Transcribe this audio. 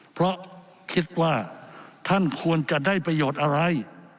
เพราะคิดว่าท่านควรจะได้ประโยชน์อะไร